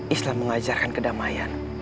islam mengajarkan kedamaian